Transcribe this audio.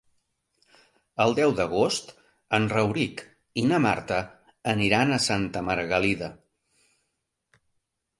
El deu d'agost en Rauric i na Marta iran a Santa Margalida.